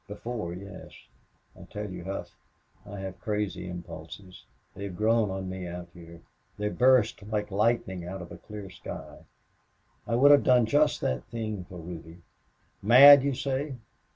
"Before, yes. I tell you, Hough, I have crazy impulses. They've grown on me out here. They burst like lightning out of a clear sky. I would have done just that thing for Ruby.... Mad, you say?...